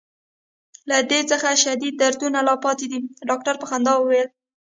له دې څخه شدید دردونه لا پاتې دي. ډاکټر په خندا وویل.